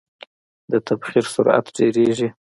د تبخیر سرعت ډیریږي.